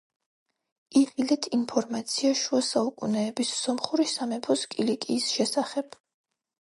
იხილეთ, ინფორმაცია შუა საუკუნეების სომხური სამეფოს კილიკიის შესახებ.